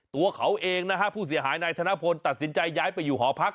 ตัวเขาเองนะฮะผู้เสียหายนายธนพลตัดสินใจย้ายไปอยู่หอพัก